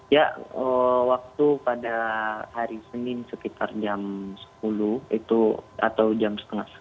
ya waktu pada hari senin sekitar jam sepuluh atau jam dua belas